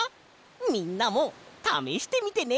みんなもためしてみてね！